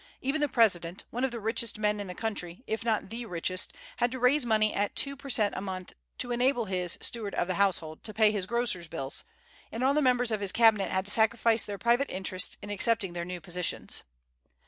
Even the President, one of the richest men in the country, if not the richest, had to raise money at two per cent a month to enable his "steward of the household" to pay his grocer's bills, and all the members of his Cabinet had to sacrifice their private interests in accepting their new positions.